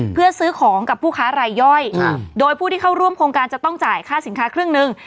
เพื่อซื้อของกับผู้ค้ารายย่อยโดยผู้ที่เข้าร่วมโครงการจะต้องจ่ายค่าสินค้าเครื่องหนึ่ง